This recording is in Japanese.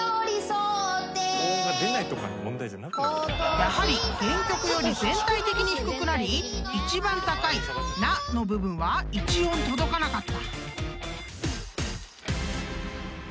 ［やはり原曲より全体的に低くなり一番高い「な」の部分は１音届かなかった］